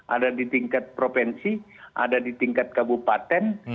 ada di tingkat provinsi ada di tingkat kabupaten